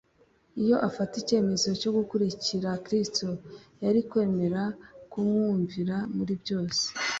Iyo afata icyemezo cyo gukurikira Krsto yari kwemera kumwumvira muri byose,